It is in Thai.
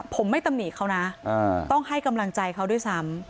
ผมไม่ตำหนิเขานะต้องให้กำลังใจเขาด้วยซ้ำ